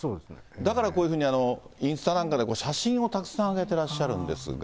だからこういうふうに、インスタなんかで写真をたくさん上げてらっしゃるんですが。